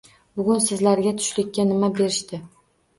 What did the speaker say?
Bugun sizlarga tushlikka nima berishdi?